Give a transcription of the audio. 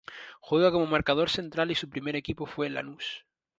Juega como marcador central y su primer equipo fue Lanús.